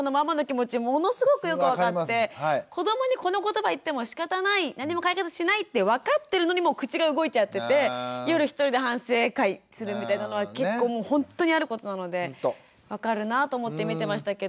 子どもにこの言葉言ってもしかたない何も解決しないって分かってるのにもう口が動いちゃってて夜一人で反省会するみたいなのは結構ほんとにあることなので分かるなぁと思って見てましたけど。